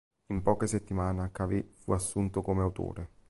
In poche settimane, Cavett fu assunto come autore.